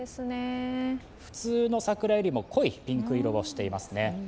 普通の桜よりも濃いピンク色をしていますね。